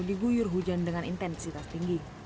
diguyur hujan dengan intensitas tinggi